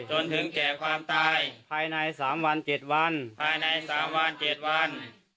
ตอนถึงแก่ความตายภายใน๓วัน๗วัน